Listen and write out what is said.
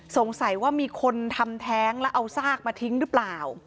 สงสัยว่ามีคนทำแท้งแล้วเอาซากมาทิ้งหรือเปล่า